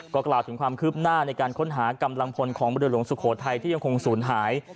ก็กล่าวถึงความคืบหน้าในการค้นหากำลังพลของเรือหลวงสุโขทัยที่ยังคงศูนย์หาย